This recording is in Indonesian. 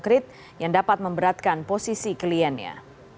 konkret yang dapat memberatkan posisi kliennya